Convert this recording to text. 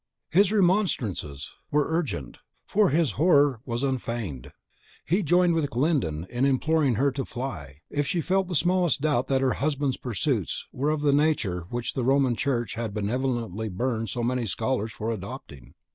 His remonstrances were urgent, for his horror was unfeigned. He joined with Glyndon in imploring her to fly, if she felt the smallest doubt that her husband's pursuits were of the nature which the Roman Church had benevolently burned so many scholars for adopting.